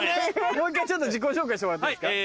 もう１回自己紹介してもらっていいですか。